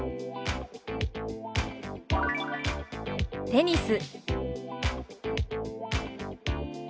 「テニス」。